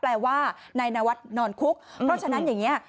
แปลว่านายนวัดนอนคุกเพราะฉะนั้นอย่างนี้